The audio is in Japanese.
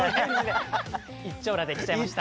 一張羅で来ちゃいました。